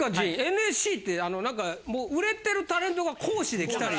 ＮＳＣってあの何かもう売れてるタレントが講師で来たり。